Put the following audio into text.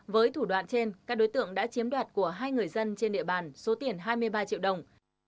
với thủ đoạn trên các đối tượng đã chiếm đoạt của hai người dân trên địa bàn số tiền hai mươi ba triệu đồng